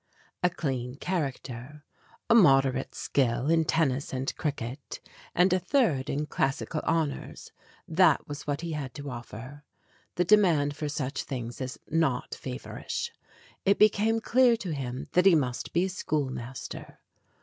A clean character, a moderate skill in tennis and cricket, and a third in Classical Hon ors that was what he had to offer. The demand for such things is not feverish. It became clear to him that he must be a schoolmaster.